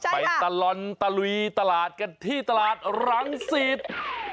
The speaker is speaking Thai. ไปตลอดตะลุยตลาดกันที่ตลาดรังสิต